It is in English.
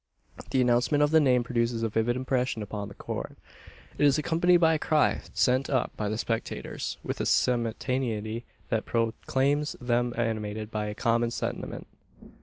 The announcement of the name produces a vivid impression upon the Court. It is accompanied by a cry sent up by the spectators, with a simultaneity that proclaims them animated by a common sentiment.